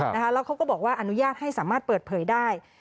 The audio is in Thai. แล้วเขาก็บอกว่าอนุญาตให้สามารถเปิดเผยได้